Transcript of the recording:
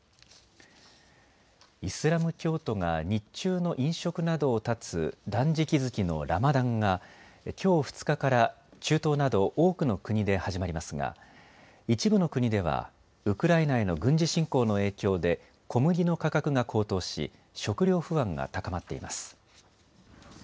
イスラム教徒が日中の飲食などを断つ断食月のラマダンがきょう２日から中東など多くの国で始まりますが一部の国ではウクライナへの軍事侵攻の影響で小麦の価格が高騰し食料不安が高まっています。